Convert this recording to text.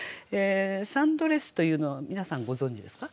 サンドレスというのは皆さんご存じですか？